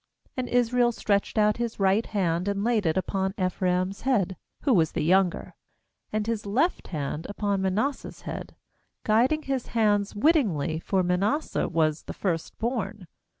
"And Israel stretched out his right hand, and laid it upon Ephraim's head, who was the younger; and his left hand upon Manasseh's head, guiding his hands wittingly; for Ma nasseh was the first born.